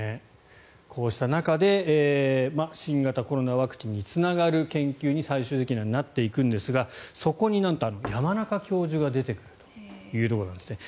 こうした中で新型コロナワクチンにつながる研究に最終的にはなっていくんですがそこになんと、あの山中教授が出てくるというところなんですね。